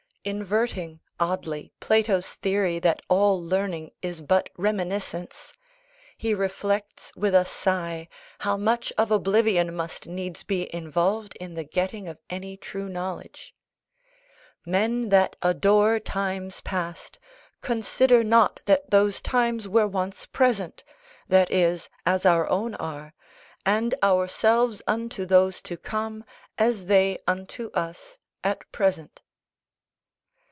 Inverting, oddly, Plato's theory that all learning is but reminiscence, he reflects with a sigh how much of oblivion must needs be involved in the getting of any true knowledge. "Men that adore times past, consider not that those times were once present (that is, as our own are) and ourselves unto those to come, as they unto us at present."